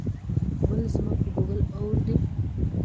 بل ځما په ګوګل اور وي